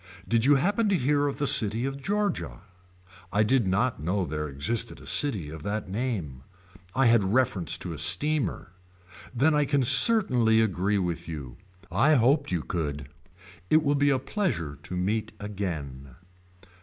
Did you happen to hear of the city of Georgia. I did not know there existed a city of that name. I had reference to a steamer. Then I can certainly agree with you. I hoped you could. It will be a pleasure to meet again.